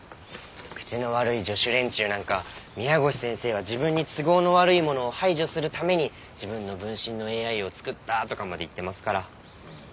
口の悪い助手連中なんか宮越先生は自分に都合の悪いものを排除するために自分の分身のＡＩを作ったとかまで言ってますから。